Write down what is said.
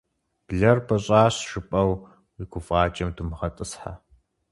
Блэр «пӀыщӀащ» жыпӀэу уи гуфӀакӀэм думыгъэтӀысхьэ.